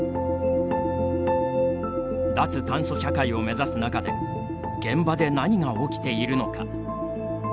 「脱炭素社会」を目指す中で現場で何が起きているのか。